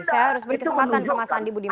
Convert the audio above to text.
saya harus beri kesempatan ke mas andi budi